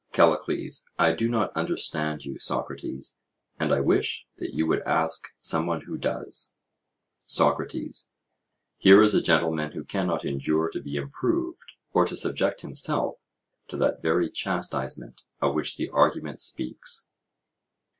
CALLICLES: I do not understand you, Socrates, and I wish that you would ask some one who does. SOCRATES: Here is a gentleman who cannot endure to be improved or to subject himself to that very chastisement of which the argument speaks!